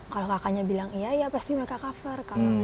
kalau kakaknya bilang iya iya pasti mereka cover